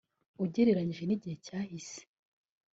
ugereranyije n’igihe cyahise